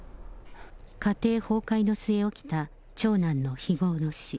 家庭崩壊の末、起きた長男の非業の死。